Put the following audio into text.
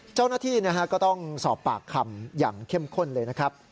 เจ้าหน้าที่ก็ต้องสอบปากคำอย่างเข้มข้นเลยนะครับ